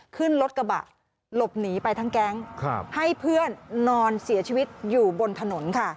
ขึ้นรถกระบะหลบหนีไปทั้งแก๊งให้เพื่อนนอนเสียชีวิตอยู่บนถนนค่ะ